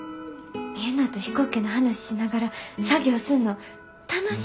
みんなと飛行機の話しながら作業すんの楽しいんです。